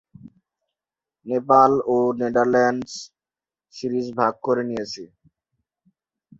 নেপাল ও Netherlands series ভাগ করে নিয়েছে।